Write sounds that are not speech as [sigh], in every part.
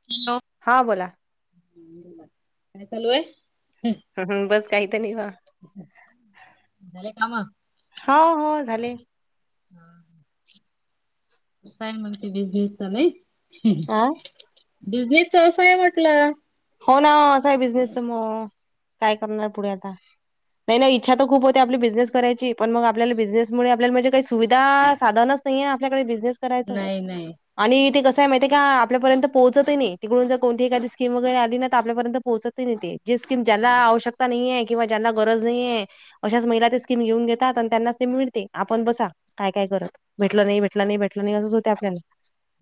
[inaudible] हा बोला, काय चालू आहे, हम्म बस काहीत नाही वा, झाले काम हो हो झाले? [inaudible] काय म्हणते बिझनेस चालू आहे हा बिझनेस चा असं आहे म्हटलं? हो ना असा बिझनेस मग काय करणार पुढे आता. नाही नाही इच्छा तर खूप होते आपली बिझनेस करायची पण मग आपल्याला बिझनेसमुळे आपल्याला म्हणजे काही सुविधा साधनच. नाही आहे आपल्याकडे बिझनेस करायच्ं! नाही नाही. आणि ते कसं आहे माहितीय का आपल्यापर्यंत पोहोत नाही तिकडून जर कोणती एखादी स्कीम वगैरे आली! आपल्यापर्यंत पोहोचत नाही ते जे स्कीम ज्याना आवश्यकता नाहीये किंवा ज्यांना गरज नाहीये? अशाच महिला ते स्कीम घेऊन घेतात आणि त्यांनाच ते मिळते आपण बसा. काय काय करत भेटलं नाही भेटलं नाही भेटलं नाही असंच होते आपल्याला.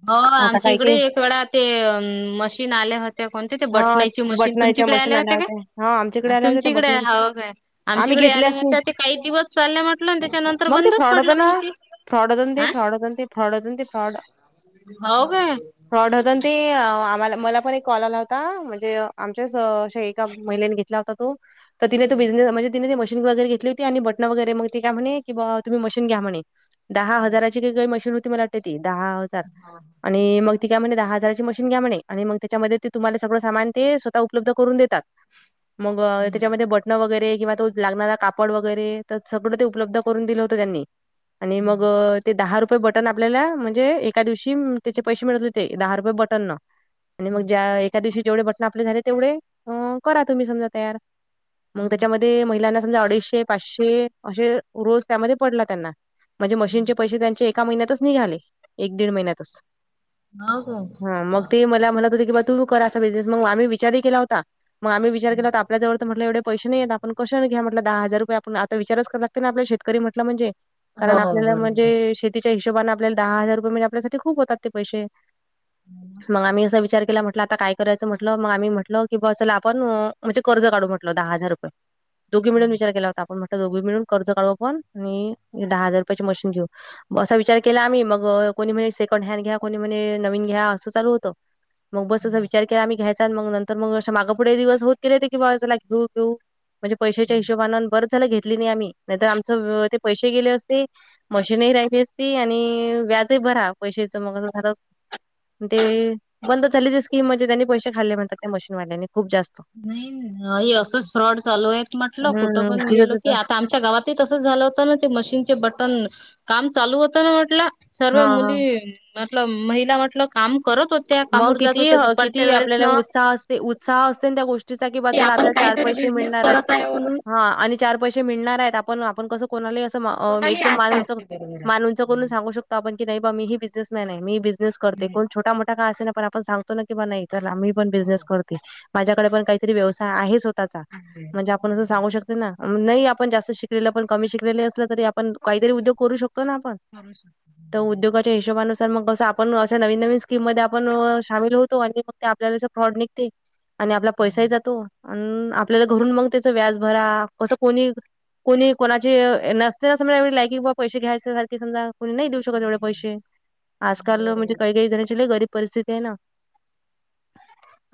हो आता आमच्या काही इकडे काही एक वेळा ते अ मशीन आले होते? त्या कोणत्या ते हां, बटनाची मशीन बटणाच्या तुमच्याकडे मशीन आल्या होत्या हां, आमच्याकडे काय आल्या होत्या त्या तुमच्याकडे बटणाच्या हव काय, आम्ही आमच्याकडे घेतल्याच नाही. आल्या ते काही दिवस चालले म्हटलं त्याच्यानंतर बंदच पडलं मग ते? फ्रौड धंदे हा फ्रौड धंदे तेफ्रौड धंदे ते फ्रौड, हो काय, फ्रॉड होतना ते आम्हाला मला पण एक कॉल आला होता! ता म्हणजे आमच्याच अश्या एका महिलेने घेतला होता तो तर तिने तू बिझनेस म्हणजे. तीन ते मशीन वगैरे घेतली होती आणि बटन वगैरे मग ते म्हणे किंवा तुम्ही मशीन घ्या म्हणे, दहा हजाराची काही काही मशीन होती मला वाट ती दहा हजार आणि! आणि मग ती काय म्हणे दहा हजारची मशीन घ्या म्हणे आणि मग त्याच्यामध्ये ते, तुम्हाला सगळं सामान ते स्वतः उपलब्ध करून देतात मग त्याच्यामध्ये ब, बन वगैरे किंवा तो लागणारा कापड वगैरे तर सगळं ते उपलब्ध करून दिले होतं त्यांनी. आणि मग ते दहा रुपये बटन आपल्याला म्हणजे एका दिवशी त्याचे पैसे मिळत होते. ते दहा रुपये बटन ना आणि मग ज्या, त्या दिवशी जेवढे बटन आपले झाले तेवढे करा तुम्ही समजा तयार मग त्याच्यामध्ये महिलांना. समजा अडीचशे पाचशे असे रोज त्यामध्ये पडला त्यांना म्हणजे मशीनचे पैसे त्यांचे? एका महिन्यातच निघाले एक दीड महिन्यात हो का? मग ते मला म्हनत होते की बर. कराचा बिझनेस मग आम्ही विचारही केला होता मग आम्ही विचार केला होता आपल्या जवर म्हटले एवढे पैसे नाही आता. पण कशान घ्या हटलं दहा हजार रुपये आपण आता विचारच करू लागत ना आपल्या शेतकरी म्हटलं म्हणजे? कारण हो आपल्याला बरोबर. म्हणजे शेतीच्या हिशोबाानने आपल्याला दहा हजार रुपये म्हनजे आपल्यासाठी खूप होतात ते पैसे! मग आम्ही असा विचार केला म्हण, आता काय करायचं म्हटलं मग आम्ही म्हटलं की बा चला आपण म्हणजे कर्ज काढू म्हटलो दहा हजार रुपये. दोघी मिळून विचार केला होता आपण म्हटलं दोघी मिळून कर्ज काढू आपण आणि दहा हजार रुपयाची मशीन घेऊ. असा विचार केला आम्ही मग कोणी म्हणे सेकंड हँड घ्या कोणी म्हणे नवीन घ्या असं चालू होतं! ह, मग बस असा विचार केला आम्ही घ्यायचा आणि मग नंतर मग मागा पुढे दिवस होत केले ते की बाबा त्याला घेऊ घेऊ म्हणजे पैशाच्या हिशोबान बरंच झालं घेतली नाही आम्ही नाहीतर आमचं ते पैसे गेले असते! मशीनही राहिली असती आणि व्याजही भरा पैशाच मग असं झालं असत. ते बंद झाले ते स्कीम म्हणजे त्यांनी पैसे खाल्ले म्हणतात त्या मशीन वाल्यानी खूप जास्त नाही हे असंच फ्रॉड चालू आहेत म्हटलं कुठं हम्म पण तिथं गेलो की तिथं आ आमच्या गावात ही तसंच झालं होत ना ते मशीनचे बटन काम चालू होतं ना म्हटलं. सर्व हा हा. मुली म्हटल महिला वाटल. काम करत होत्या, मग कामावर जात होत्या दुपारच्या वेळेस न ते उत्साह असतो ना त्या गोष्टीचा कि बघा की चला आपण आपल्याला चार काहीतरी पैसे बिझनेस मिळणार आहे करत म्हणून हा आणि चार पैसे मिळणार आहेत, आपण आपण कसं कोणाला अस कोणालाही एकदम आशा मालूनच असते बरोबर आहे. मालूनच बोलू हम्म. सांगू शकतो. आपण की नाही मम्मी ही बिझनेसमॅन आहे, मी बिझनेस करते नाही, कोण छोटा मोठा काय असाना आपण सांगतो ना की बा नाही. चला मी पण हो बिझनेस करते, माझ्याकडे पण काहीतरी व्यवसाय आहे स्वतःचा आहे म्हणजे आप आपण असं सांगू शकते ना, लही आपण जास्त शिकलेलं पण कमी शिकलेलं असलं तरी आपण काहीतरी उद्योग करू शकतो ना आपण करू शकत. [inaudible] ते हिशोबाानुसार मग अस आपण असे नवीन नवीन, स्कीम मध्ये आपण सामील होतो आणि मग फक्त आपल्याला फ्रॉड निघते आणि आपला पैसाही जातो. अन आपल्याला घरून मग त्याच व्याज भरा कसं कोणी कोणी कोणाची नसते ना अस नाही लायकी ग बा पैसे घ्यायचे सारखे समजा. कोणी नाही देऊ शकत एवढे नाही नाही. पैसे, आजकाल बरोबर आहे. म्हणजे काही काही जणांचे लही गरीब परिस्थिती आहे ना.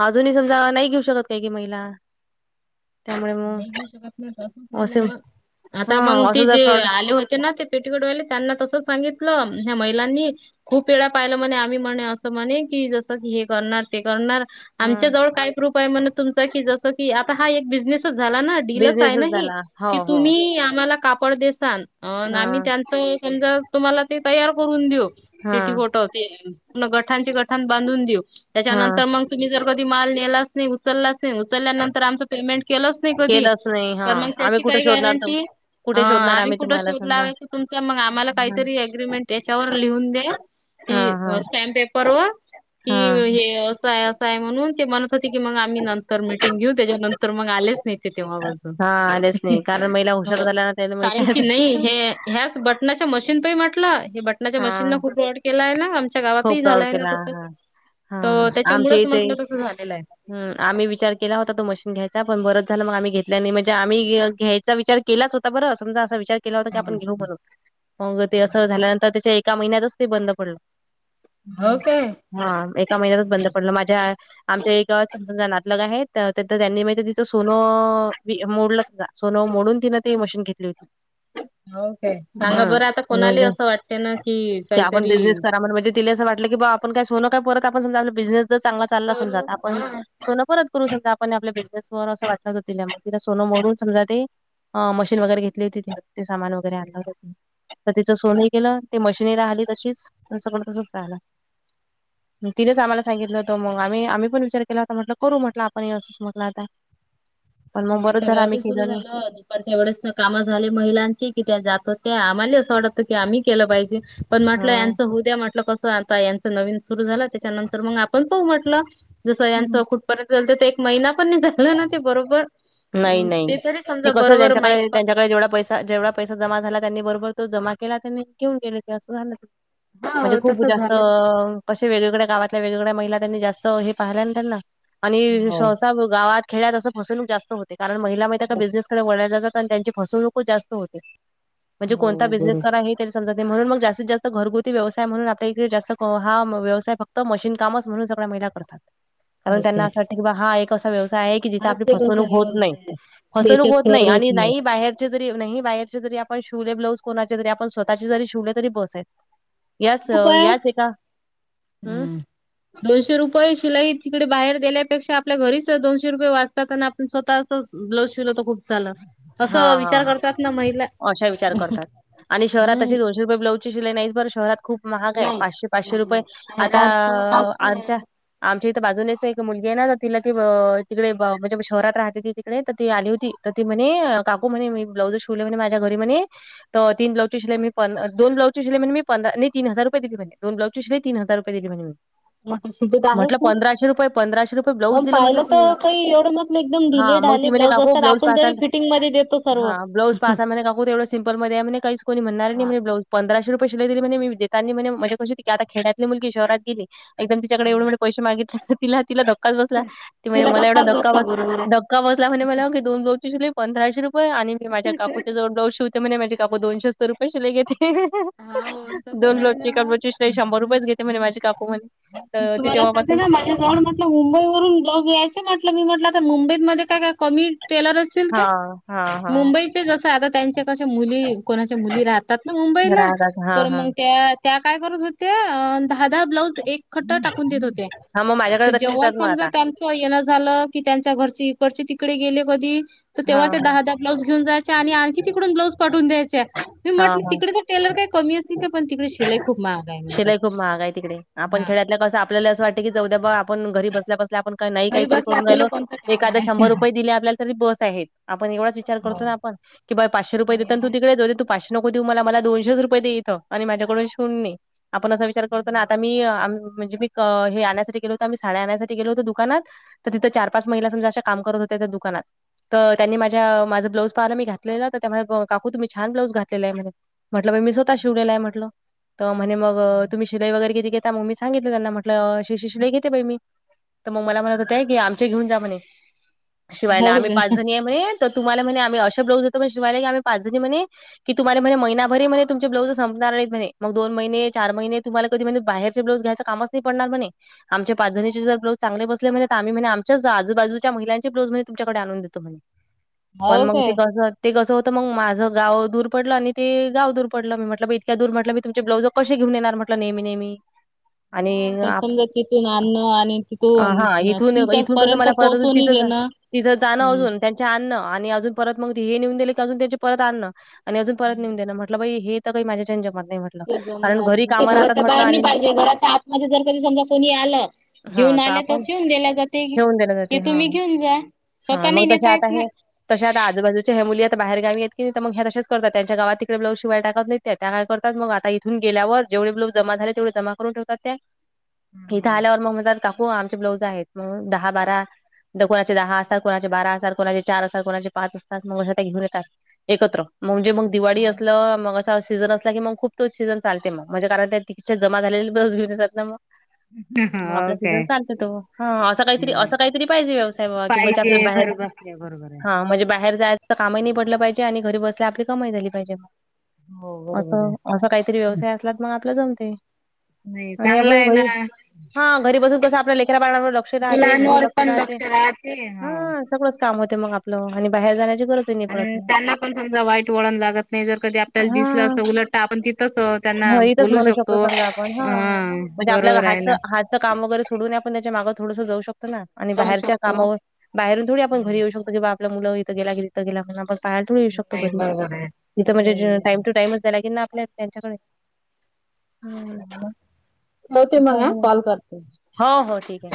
अजूनही समजा नाही घेऊ शकत काही काही महिला त्यामुळे मग नाही शक ना असे मग आता हा मग ते असं जर जे फ्रॉड आले होते ना ते [inaudible] पेटीकडवाले त्यांना तस सांगितलं ह्या महिलांनी खूप वेळा पाहिलं म्हणे आम्ही म्हणे असं म्हणे की जसं की हे करणार ते करणार हा आमच्या जवळ काही प्रूफ आहे, म्हण तुमचा कि जस की आता हा एक बीज तसच झाला ना डीलच आहे ना बिझनेसच ही, झाला. हो, की हो. तुम्ही आम्हाला कापड देसान अ आम्ही हां, त्यांचं समजा तुम्हाला ते तयार करून देऊ पेटी हां, कोट ते. गठांचे गठान बांधून देऊ, हां. त्याच्यानंतर मग तुम्ही जर कधी माल नेला नाही उचललाच नाही, उचलल्यानंतर आमचं पेमेंट प्लस नाही कधी केलंच नाही हा तर मग आम्ही त्याची कुठे काय शोधणार तर गॅरंटी. ह कुठे शोधणार आम्ही कुठं तुम्हाला शोध समजा लावायचा तुमचा मग आम्हाला काहीतरी अ‍ॅग्रीमेंट याच्यावर लिहून दे. हा कि हा स्टॅम पेपर वर की हा हे ते असं आहे असं आहे म्हणून ते म्हणत होते की मग आम्ही नंतर मिट शिंग घेऊ त्याच्यानंतर मग आलेच नाही ते तेव्हा पासून हा आलेच नाही कारण महिला हुशार हो. झाल्या ना त्याला माहित चालेल आहे की नाही हे ह्याच बटनाच्या मशीन पायी म्हटलं हे बट माझ्या हा मशीनला खूप फ्रॉड केलाय ना, आमच्या गावातही खूप प्राऊड झालाय ना केला तसं हा तर त्याच्यामुळेच म्हटलं तसं झालेलं आहे. ह आम्ही विचार केला होता तो मशीन घ्यायचा पण बरच झाला मग आम्ही घेतल्या नाही म्हणजे आम्ही घे घ्याय तिचा विचार केलाच होता बरं समजा असा विचार केला होता की, आपण घेऊ बनुन मग असं ते झाल्यानंतर त्याच्या एका महिन्यातच ते बंद पडलं. हो काय? [inaudible] हा एका महिन्यातच बंद पडलं माझ्या आमच्या येथ समजा नातलग आहेत तर तेथे त्यांनी माझ्या दीदीच सोनं... वी मोडलं सुद्धा सोन मोडून तिनं ते मशीन घेतली होती. हो ताई, सांगा बरं आता कोणाला असं वाटते ना. की क आपण काहीतरी बिझनेस करा म्हणजे तिले असं वाटल, की बा आपण काय सोन काय परत आपण समजा आपला बिझनेस जर चांगला चालला समजा करू. आपण हा. सोनं परत करू शकतो आपण आपल्या बिझनेस वर असं वाटत ग तिला मग तिला सोन मोडून समजा ते अ मशीन वगैरे घेतली होती त ते सामान वगैरे आणल होत पण तिचं सोनही केलं ते मशिनीला आली तशीच सगळं तसच राहिल. [inaudible] मग तिनच आम्हाला सांगितलं होतं, मग आम्ही आम्ही पण विचार केला होता म्हटलं करू म्हटलं आपण असंच म्हटलं आता. पण मग नाही बरंच आमच्या झालं गावात आम्ही सुरु केलं नाही झालं. पण तेवढेच कामं झाले महिलांची कि त्या जात होत्या, आम्हाला असं वाटत की आम्ही केलं पाहिजे. पण म्हटलं हा. यांचं होऊ द्या म्हटलं, कसं आता यांचं नवीन सुरू झालं, त्याच्यानंतर मग आपण पाहू म्हटलं. जसं हम्म. यांचं कुठपर्यंत झालतं ते एक महिना पण नै झालं ना ते बरोबर. नाही नाही,, ते तरी ते समजा कसं बरोबर माहीत त्यांच्याकडे पडलं त्यांच्याकडे जेवढा पैसा जेवढा पैसा जमा झाला त्यांनी बरोबर तो जमा केला त्यांनी, घेऊन गेले ते असं झालं. म्हणजे हा खूप तसं जास्त झालं ते. कशे वेगवेगळ्या गावातल्या वेगवेगळ्या महिला त्यांनी जास्त हे पाहिल्या ना त्यांना,, आणि हो सहसा गावात खेडयात असं फसवणूक जास्त होते,, कारण महिला मै बिझनेसकडे वळल्या जातात आणि त्यांची फसवणूकूच जास्त होते. म्हणजे हो कोणता बिझनेस बरोबर. करा हे समजत नाही,, म्हणून मग जास्तीत जास्त घरगुती व्यवसाय म्हणून आपल्या इडे जास्त हा व्यवसाय फक्त मशीन कामच म्हणून सगळ्या महिला करतात,,, कारण त्यांना असं होतात. वाट की हा एक असा व्यवसाय आहे कि जिथे आपली हाच एक फसव असा णुक होत नाही,, व्यवसाय आहे की फसवूनक याच्यात होत फ्रॉड नाही आणी नाही बाहेरचे जरी नाही बाहेरचे जरी आपण शिवले ब्लाऊज कोणाचे तरी,, आपण स्वतःचे जरी शिवले तरी बस आहे. याच खूपंं, याच एका हम्म. दोनशे रुपये शिलाई तिकडे बाहेर देल्यापेक्षा आपल्या घरीच दोनशे रुपये वाचतात, आण आप स्वतःचच ब्लाउज शिवलं तर खूप चलं,, हा अस़ं हा. विचार करतात ना महिला,,, हम्म ब्लाजची शिलाई नाहिच पण शहरात खूप महाग आहे,, नाही पाचशे पाचशे नाही रुपये, नाही आता शहरात तर पाचशे आमच्या आहे. आमच्या इथं बाजूनेच एक मुलगी आहे ना, तिला ती तिकडे म्हणजे शहरात राहते ती तिकडे तर ती आली होती. तर ती म्हणे, काकू म्हणे मी ब्लाउज शिवले म्हणे माझ्या घरी म्हणे. तर ती ब्लाजची शिलाई मी दोन हजार शिलाई म्हणे म तीन हार रुपय दिली म्हणे,, दोन ब्लाऊजची शीलाई तीन हजार रुपये दिली म्हणे मी. मोठ्या सिटीत आहेच म्हटलं ना. पंधराशे रुपये पंधराशे रुपये ब्लाऊज पण दिलं म्हटलं पाहिलं तीने. तर काही एवढं नसलं एकदम हा, ढिले मग ती ढाले म्हणे ब्लाऊज काकू असतात ब्लाउज आपण पास तरी फिटिंग मध्ये देतो सर्व. हाय ब्लाऊज पासान म्हणे सिम्पल मध्ये आहे काकू तेवढं सिम्पल मध्ये आहे म्हणार नाही कोणी म्हणणार नाही हा म्हणे ब्लाउज पंधराशे रुपय शीलाई दिली म्हणे, मी देेता म्हणजे कशी होती आता खेडतली मुलगी शहरात गेली. एकदम तिच्याकडे एवढे हम्म. मोठे पैसे मागितले तर तिला तिला धक् धक्काच बसला,,, ते म्हणे मला एवढा धक्का बस धक्का बसला म्हणे मला की दोन रोज शिवले पंधराशे रुपये,, आणि मी माझ्या काकूच्या जवळ ब्लाउज शिवते म्हणे माझी काकू दोनशेच तर रुपये शिलाई घेते. हा हो तसच दोन आहे रोजची ना कबेची शिलाई शंभर रुपयच घेते म्हणे माझी काकू म्हणे. तर ती तुम्हाला सांगते तेव्हापासून ना माझ्या जाऊनपण मुंबई वरून ब्लाउज यायचे म्हटलं, की म्हटलंतरं मुंबईतमध्ये काय काय कमी टेलरयेत हा हा मुंबईचे जसं आता त्यांचे कशा मुली,, कोणाच्या मुली राहतात ना मुंबईला राहतात. हां, तर हां. मंग त्या त्या काय करत होत्या, अ दहा दहा ब्लाउज एक खट्टा टाकून देत होत्या,, हां, मग माझ्याकडे की तसे जेव्हा येतात मग समजा आता. त्यान किंवा येणं झालं, की त्यांच्या घरची इकडचे तिकडे गेले कधी तर तेव्हा हां, त्या हां. दहा दहा ब्लाउज घेऊन जायच्या, आणि आणखी तिकडून ब्लाऊज पाठून द्यायच्या. मी हां, म्हटलं हां. तिकडे तर टेलर काय कमी असतील, काय पण तिकडे शिलाई खूप महाग आहे म्हणतात. काय तिकडे,,, आपण हा खेड्यातल कसं आपल्याला असं वाटत की जाऊ दया बा आपण घरी बसल्या बसल्या आपण नाही घरी काहीतरी बसल्या करून आपल्याला राहिलो,, कोणतं काम एखादं आहे. शंभर रुपये दिले आपल्याला तरी बस आहेत,, आपण एवढाच विचार हो. करतो ना आपण,, की बा पाचशे रुपय नाही देताना तू आहेत. तिकडे जाऊ दे. तू पाचशे नको देऊ मला. मला दोनशेच रुपय देे इथं. आणि माझ्याकडून शिवून ने. आपण असा विचार करतो ना, आता मी आम म्हणजे मी अ हे आणण्यासाठी गेलो होत. मी साड्या आणण्यासाठी गेलो होतो दुकानात. तर तिथं चार पाच महिला समजा अश्या काम करत होत्या त्या दुकानात. तर त्यांनी माझ्या माझं ब्लाऊज पाहायला मी घातलेलं. तर त्या काकू तुम्ही छान ब्लाऊज घातलेलाय म्हणे. म्हटलं बाई मी स्वतः च शिवलेलाय म्हटलं. तर म्हणे मग तुम्ही शिलाई वगैरे किती घेता. मग मी सांगितलं त्यांना. म्हटलं अशी अशी शिलाई घेते बाई मी. तर मग मला म्हणत होते की, आमच्या घेऊन जा म्हणे शिवायला. हो आम्ही का? ते म्हणे त तुम्हाला म्हणे आम्ही अशे ब्लाऊज देतो शिवायला. आम्ही पाचजणी म्हणे. की तुम्हाला म्हणे महिना भर हि म्हणे तुमचे ब्लाऊज संपणार नाहीत म्हणे. मग दोन महिने चार महिने तुम्हाला कधी म्हणे बाहेरचे ब्लाऊज घ्यायचा. कामच नाही पडणार म्हणे. आमच्या पाच जणींचे जर ब्लाऊज चांगले बसले म्हणे. त आम्ही म्हणे आमच्याच आजूबाजूच्या महिलांचे ब्लाऊज म्हणे तुमच्याकडे आणून दे तो म्हणे. पण हो मंग ते काय? कसं ते कस होत मग, माझं गाव दूर पडलं. आणि ते गाव दूर पडलं. मी म्हटलं बाई इतक्या दूर म्हटलं मी तुमची ब्लाऊज कशी घेऊन येणार म्हंटल नेहमी नेहमी. [inaudible] आणि हा पण आप समजा तिथून आणणं. आणि तिथून हा न इथून तुमच्या इथून कसं पर्यंत मला परत अजून पोहोचूनही तिथं जा देण. तिथं जाणं अजून त्यांचे आणण. आणि अजून परत मग ती ही नेऊन दिले की, अजून त्यांचे परत आणणं. आणि अजून परत नेऊन देन. म्हटलं बाई हे तर काही माझ्याच्याने जमत नाही म्हटलं. ते कारण जमणार. घरी ते कामं राहतात घराच्या म्हटलं बाहेर नाही आणि पाहिजे. घराच्या आत मध्ये जर कधी समजा कोणी आलं. हा घेऊन आल तर आपण शिवून दिल्या जाते. ठेवून दिलं हे तुम्ही घेऊन जा. स्वतः नाही नेत. जात आहे. तश्या आता आजूबाजूच्या ह्या मुली आता बाहेरा गावी आहेत की नाही. त मग ह्या तशेच करतात. त्यांच्या गावात तिकडे ब्लाऊज शिवायला टाकत नाही त्या. त्या काय करता? मग आता इथून गेल्यावर जेवढे ब्लाऊज जमा झाले. तेवढे जमा करून ठेवातात त्या. इथं आल्यावर मंग म्हणतात का ओ आमचे ब्लाऊज आहेत. मग दहा बारा. त कोणाचे दहा असतात. कोणाचे बारा असतात. कोणाचे चार असतात. कोणाचे पाच असतात. मग अ घेऊन येतात एकत्र. म्हणजे मंग दिवाळी असलं मग तेव्हा सीझन असला की मंग खूप तो सीझन चालते मग. म्हणजे कारण त्या तीतच्या जमा झालेले ब्लाऊज घेऊन येतात ना मंग. हम्म. मग आपला सीझन चालत तो. हा असं काहीतरी, हम्म असं काहीतरी पाहिजे व्यवसाय बुवा. कि जाच्यातन बाहेर. हे बरोबरे. हा म्हणजे बाहेर जायचं कामही नाही पडलं पाहिजे. आणि घरी बसल्या आपली कमाई झाली पाहिजे. हो बरोबर आहे. असं असं काहीतरी व्यवसाय असलात मग आपलं जमते. नाही आणि चांगला आपण आहे ना घरी. हा घरी बसून कसं आपल्या लेकरा बाकांवर लक क्ष मुलावर राहते. घरी लक्ष पण राहते, राहते हो. हा सगळंच काम होते मग आपलं. आणि बाहेर जाण्याची गरज अन त्यांना पण समजा वाईट वळण लागत नाही. जर कधी आपल्याला दिसलं असं उलट तर आपण तसं त्यांना हा इथंच बोलू म्हणू शकतो. समजा आपण अं. बरोबर आहे ना. घरचं काम वगैरे सोडून ही आपण त्याच्या मागे थोडंस जाऊ शकतो ना. आणि जाऊ बाहेरच्या शकतो. कामावर, बाहेरून थोडी आपण हम्म. घरी येऊ शकतो की बा आपला मुलाला इथं गेलं, तिथं गेला म्हणत बसतात. पहायला थोडी येऊ शकतो नाही घरी? बरोबर आहे. तिथं म्हणजे ज बरं. टाइम टू टाइमच द्यायला लागेल ना आपला त्यांच्याकडे. हो. ठेवते असं मग हा. आहे कॉल करते. हो. हो. ठीके.